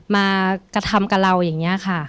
มากระทำกับเราอย่างนี้ค่ะ